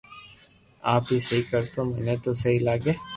آپ ھي سھي ڪر تو مني تو سھي لاگي